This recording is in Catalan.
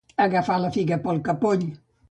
Agafar la figa pel capoll.